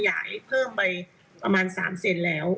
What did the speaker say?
ไข้เพิ่มไปประมาณ๓เสนติแล้ว